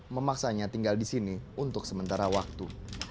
memaksanya tinggal di sini untuk sementara waktu